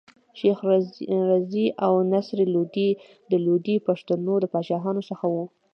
شېخ رضي او نصر لودي د لودي پښتنو د پاچاهانو څخه ول.